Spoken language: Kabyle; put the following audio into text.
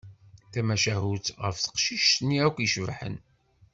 Tamacahut ɣef teqcict-nni akk icebḥen.